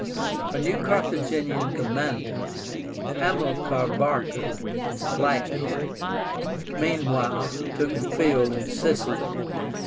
A new Carthaginian commander, HAMILCAR BARCA (Lightning), meanwhile took the field in Sicily.